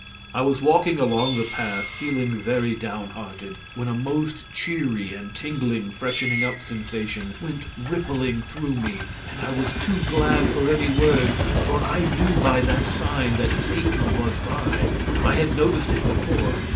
I was walking along the path, feeling very down hearted, when a most cheery and tingling freshening up sensation went rippling through me, and I was too glad for any words, for I knew by that sign that Satan was by. I had noticed it before.